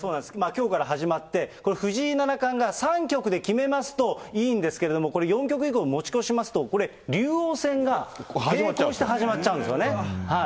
きょうから始まって、藤井七冠が３局で決めますといいんですけれども、これ４局以降に持ち越しますと、これ、竜王戦が並行して始まっちゃうんですよね。